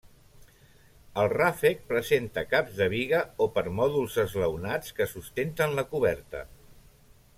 El ràfec presenta caps de biga o permòdols esglaonats, que sustenten la coberta.